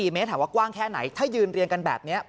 เมตรถามว่ากว้างแค่ไหนถ้ายืนเรียงกันแบบนี้